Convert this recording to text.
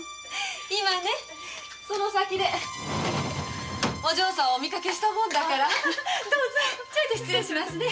今ねその先でお嬢様をお見かけしたもんだからちょいと失礼しますね。